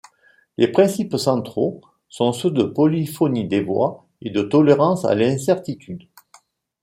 Les principes centraux sont ceux de polyphonie des voix et de tolérance à l'incertitude.